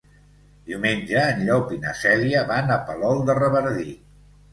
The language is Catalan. Diumenge en Llop i na Cèlia van a Palol de Revardit.